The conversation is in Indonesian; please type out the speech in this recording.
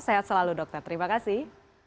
sehat selalu dokter terima kasih